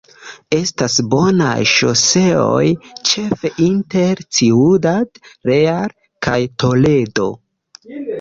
Estas bonaj ŝoseoj ĉefe inter Ciudad Real kaj Toledo.